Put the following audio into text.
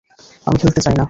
আমি খেলতে চাইনা।